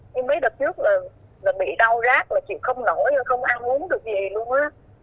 như mấy đợt trước là bị đau rác là chịu không nổi không ăn uống được gì luôn á